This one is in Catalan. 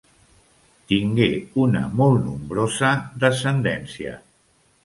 Tingué una molt nombrosa descendència.